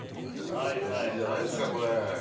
うれしいじゃないですかこれ。